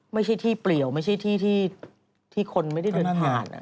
ไม่ใช่ที่เปลี่ยวไม่ใช่ที่คนไม่ได้เดินผ่าน